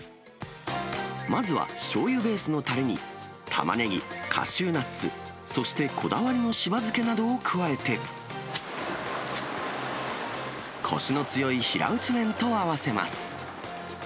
まずはしょうゆベースのたれに、玉ねぎ、カシューナッツ、そしてこだわりの柴漬けなどを加えて、こしの強い平打ち麺と合わせます。